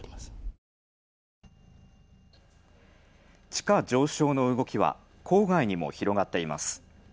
地価上昇の動きは郊外にも広がっています。